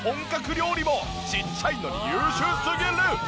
ちっちゃいのに優秀すぎる！